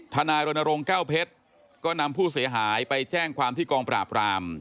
นายรณรงค์แก้วเพชรก็นำผู้เสียหายไปแจ้งความที่กองปราบราม